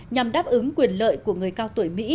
nhằm đáp ứng quyền lợi của người cao tuổi mỹ